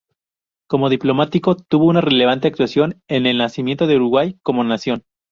Como diplomático tuvo una relevante actuación en el nacimiento del Uruguay como nación.